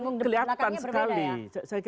ini kelihatan sekali